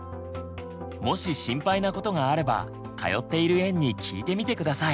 もし心配なことがあれば通っている園に聞いてみて下さい。